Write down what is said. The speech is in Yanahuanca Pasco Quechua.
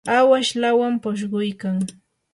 awash lawam pushqaykan.